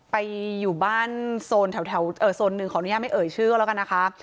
ไปอยู่บ้านโซนแถวโซนหนึ่งขออนุญาตไม่เอ่ยชื่อแล้วกันนะคะ